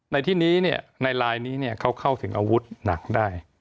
ในที่นี้ในลายนี้เขาเข้าถึงอาวุธหนักได้